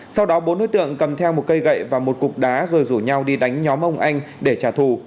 sau đó bốn đối tượng cầm theo một cây gậy và một cục đá rồi rủ nhau đi đánh nhóm ông anh để trả thù